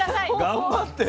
頑張ってよ。